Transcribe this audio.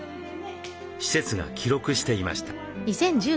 施設が記録していました。